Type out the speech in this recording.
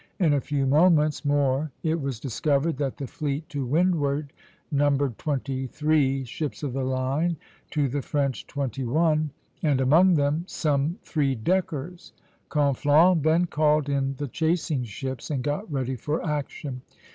In a few moments more it was discovered that the fleet to windward numbered twenty three ships of the line to the French twenty one, and among them some three deckers. Conflans then called in the chasing ships and got ready for action.